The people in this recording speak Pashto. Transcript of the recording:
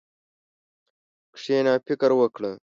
کښېنه او فکر وکړه.